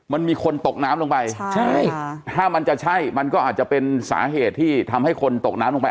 มันมีคนตกน้ำลงไปใช่ถ้ามันจะใช่มันก็อาจจะเป็นสาเหตุที่ทำให้คนตกน้ำลงไป